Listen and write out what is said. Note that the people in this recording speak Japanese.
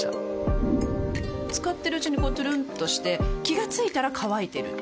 使ってるうちにこうトゥルンとして気が付いたら乾いてる